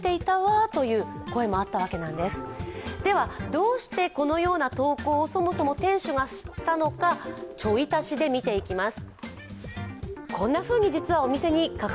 どうしてこのような投稿をそもそも店主がしたのか「ちょい足し」で見ていきます。